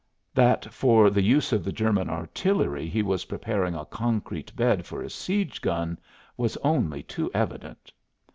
That for the use of the German artillery he was preparing a concrete bed for a siege gun was only too evident.